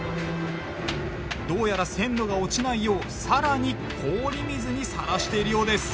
どうやら鮮度が落ちないようさらに氷水にさらしているようです。